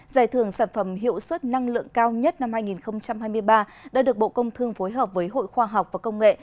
giải thưởng sản phẩm hiệu suất năng lượng cao nhất năm hai nghìn hai mươi ba đã được bộ công thương phối hợp với hội khoa học và công nghệ